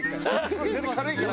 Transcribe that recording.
これ全然軽いから。